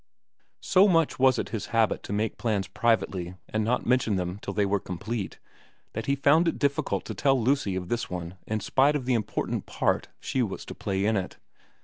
So much was it his habit to make plans privately and not mention them till they were complete, that he found it difficult to tell Lucy of this one in spite of the important part she was to play in it.